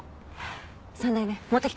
３代目持ってきて。